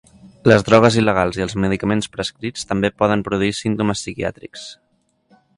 Les drogues il·legals i els medicaments prescrits també poden produir símptomes psiquiàtrics.